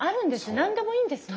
何でもいいんですね。